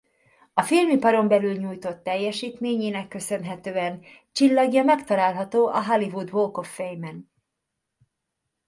A filmiparon belül nyújtott teljesítményének köszönhetően csillagja megtalálható a Hollywood Walk of Fame-en.